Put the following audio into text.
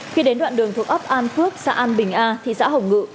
khi đến đoạn đường thuộc ấp an phước xã an bình a thị xã hồng ngự